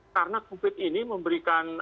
karena covid ini memberikan pengertian